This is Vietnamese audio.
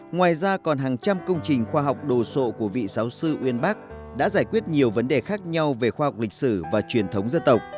ngoài ra còn hàng trăm công trình khoa học đồ sộ của vị giáo sư uyên bắc đã giải quyết nhiều vấn đề khác nhau về khoa học lịch sử và truyền thống dân tộc